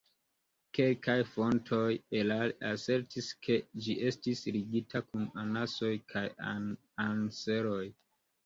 Kelkaj fontoj erare asertis, ke ĝi estis ligita kun anasoj kaj anseroj.